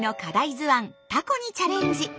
図案「タコ」にチャレンジ！